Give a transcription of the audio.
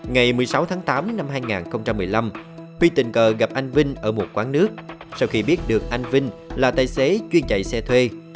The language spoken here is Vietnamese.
ngày một mươi sáu tháng tám năm hai nghìn một mươi năm pi tình cờ gặp anh vinh ở một quán nước sau khi biết được anh vinh là tài xế chuyên chạy xe thuê